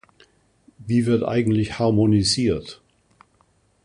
Wie wird eigentlich harmonisiert?